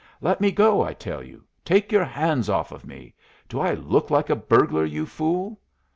"Let me go, I tell you! Take your hands off of me! Do I look like a burglar, you fool?"